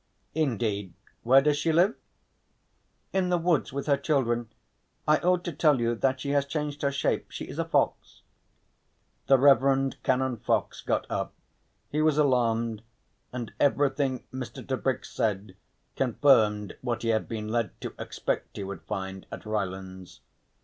"Indeed. Where does she live?" "In the woods with her children. I ought to tell you that she has changed her shape. She is a fox." The Rev. Canon Fox got up; he was alarmed, and everything Mr. Tebrick said confirmed what he had been led to expect he would find at Rylands.